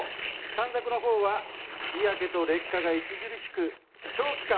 短冊のほうは日焼けと劣化が著しく長期間